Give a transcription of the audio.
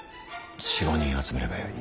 ４５人集めればよい。